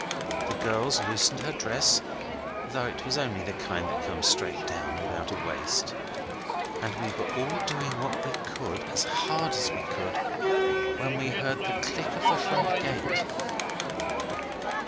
The girls loosened her dress, though it was only the kind that comes down straight without a waist. And we were all doing what we could as hard as we could, when we heard the click of the front gate.